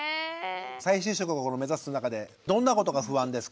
再就職を目指す中でどんなことが不安ですか？